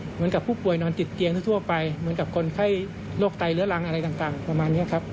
เหมือนกับผู้ป่วยนอนติดเกียร์ทั่วไปเหมือนกับคนไข้โรคไตเลื้อรังหรืออะไรต่าง